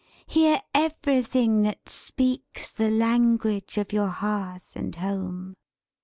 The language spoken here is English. Hear everything that speaks the language of your hearth and home!"